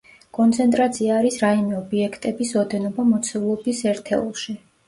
კონცენტრაცია არის რაიმე ობიექტების ოდენობა მოცულობის ერთეულში.